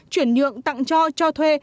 chuyển nhượng tặng cho cho thuê